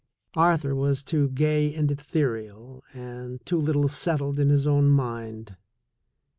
Arthur was too gay and ethereal and too little set tled in his own mind.